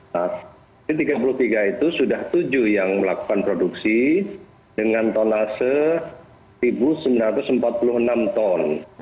nah di tiga puluh tiga itu sudah tujuh yang melakukan produksi dengan tonase satu sembilan ratus empat puluh enam ton